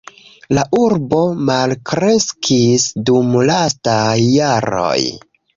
La urbo malkreskis dum lastaj jaroj.